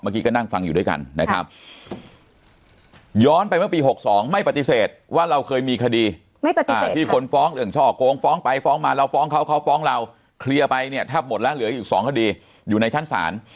เคลียร์ไปเนี่ยถ้าหมดแล้วเหลืออยู่๒คดีอยู่ในชั้นศาล